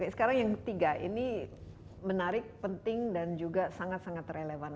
sekarang yang ketiga ini menarik penting dan juga sangat sangat relevan